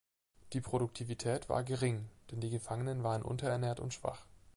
Die Produktivität war gering, denn die Gefangenen waren unterernährt und schwach.